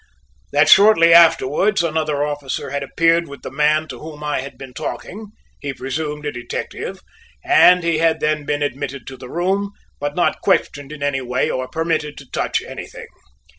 That shortly afterwards another officer had appeared with the man to whom I had been talking, he presumed a detective, and he had then been admitted to the room, but not questioned in any way or permitted to touch anything.